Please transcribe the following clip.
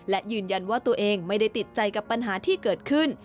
และยืนยันว่าตัวเองไม่ได้ติดใจกับปัญหาที่เกิดขึ้น